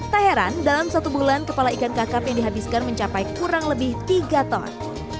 tak heran dalam satu bulan kepala ikan kakap yang dihabiskan mencapai kurang lebih tiga ton